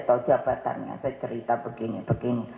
tahu jabatannya saya cerita begini begini